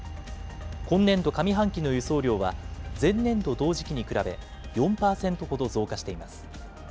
今年度上半期の輸送量は、前年度同時期に比べ４％ほど増加しています。